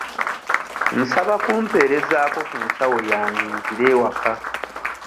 Nsaba kumpeerezaako ku nsawo yange nzire ewaka.